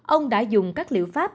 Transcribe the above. ông đã dùng các liệu pháp